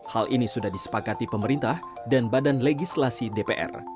hal ini sudah disepakati pemerintah dan badan legislasi dpr